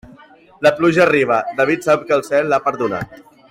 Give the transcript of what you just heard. La pluja arriba, David sap que el cel l'ha perdonat.